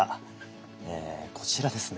こちらですね